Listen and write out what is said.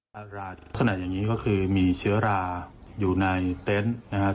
ราลักษณะอย่างนี้ก็คือมีเชื้อราอยู่ในเต็นต์นะครับ